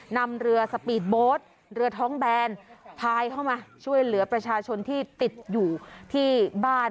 นำเรือสปีดโบสต์เรือท้องแบนพายเข้ามาช่วยเหลือประชาชนที่ติดอยู่ที่บ้าน